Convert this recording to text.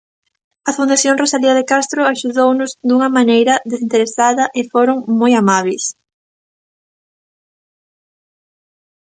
A Fundación Rosalía de Castro axudounos dunha maneira desinteresada e foron moi amábeis.